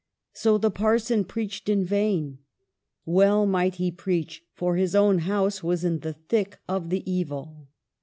So the par son preached in vain. Well might he preach, for his own house was in the thick of the evil.